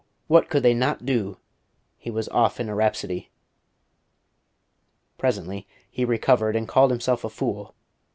what could they not do?... He was off in a rhapsody. Presently he recovered, and called himself a fool.